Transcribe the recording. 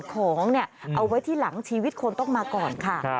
ของเอาไว้ที่หลังชีวิตคนต้องมาก่อนค่ะ